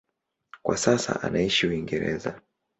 Kwa sasa anaishi Uingereza.